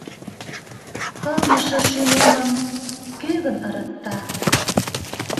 Кылмыше шӱмемым Кӧ гын ырыкта?